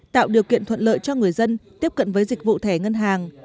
tạo điều kiện thuận lợi cho người dân tiếp cận với dịch vụ thẻ ngân hàng